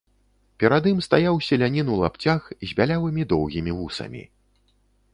Перад ім стаяў селянін у лапцях, з бялявымі доўгімі вусамі.